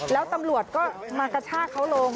แล้วตำรวจก็มากระชากเขาลง